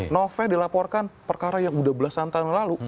novel dilaporkan perkara yang udah belasan tahun lalu